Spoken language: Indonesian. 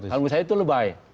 harum saya itu lebay